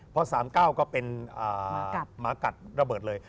พอ๓๙ก็เป็นหมากัดระเบิดเลย